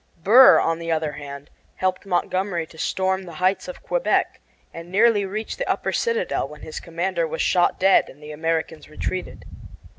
Burr, on the other hand, helped Montgomery to storm the heights of Quebec, and nearly reached the upper citadel when his commander was shot dead and the Americans retreated.